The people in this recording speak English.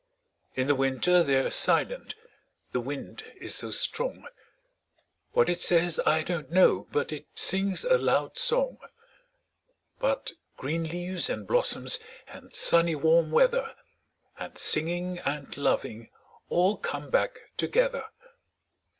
In the winter they're silent the wind is so strong; What it says, I don't know, but it sings a loud song. But green leaves, and blossoms, and sunny warm weather, 5 And singing, and loving all come back together.